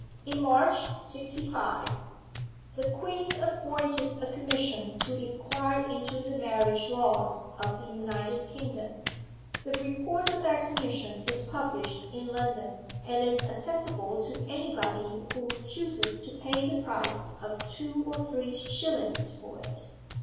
In March, 'sixty five, the Queen appointed a Commission to inquire into the Marriage Laws of the United Kingdom. The Report of that Commission is published in London; and is accessible to any body who chooses to pay the price of two or three shillings for it.